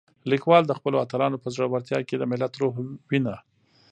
لیکوال د خپلو اتلانو په زړورتیا کې د ملت روح وینه.